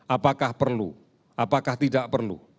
apakah perlu apakah tidak perlu